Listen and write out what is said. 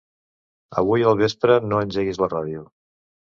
Avui al vespre no engeguis la ràdio.